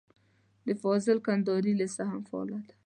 د فاضل کندهاري لېسه هم فعاله ده.